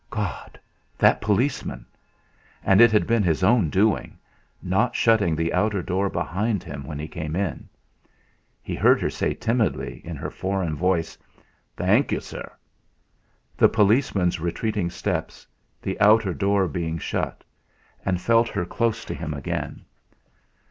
God! That policeman! And it had been his own doing, not shutting the outer door behind him when he came in. He heard her say timidly in her foreign voice: "Thank you, sir!" the policeman's retreating steps, the outer door being shut, and felt her close to him again.